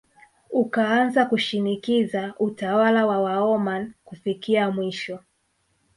Ukaanza kushinikiza utawala wa Waomani Kufikia mwisho